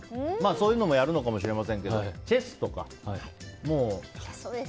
そういうのもやるかもしれないですけどチェスとかね。